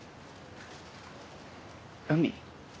海？